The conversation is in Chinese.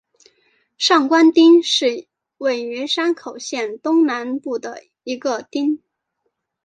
上关町是位于山口县东南部的一町。